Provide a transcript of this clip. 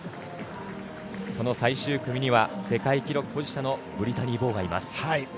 その最終組には世界記録保持者のブリタニー・ボウがいます。